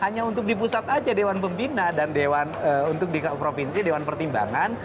hanya untuk di pusat saja dewan pembina dan dewan untuk di provinsi dewan pertimbangan